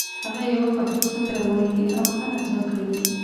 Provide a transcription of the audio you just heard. هغه یوه پښتو سندره وایي او ښه نڅا کوي